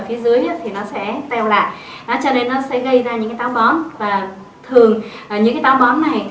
phía dưới thì nó sẽ teo lại cho nên nó sẽ gây ra những cái táo bón và thường những cái táo bón này